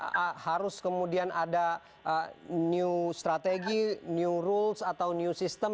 apakah harus kemudian ada new strategy new rules atau new system